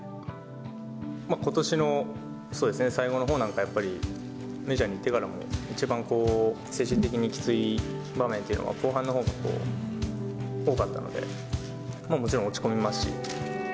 ことしの最後のほうなんか、やっぱり、メジャーに行ってからも、一番精神的にきつい場面っていうのは後半のほうが多かったので、もちろん落ち込みますし。